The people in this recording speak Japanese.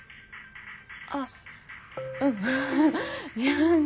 あっうん。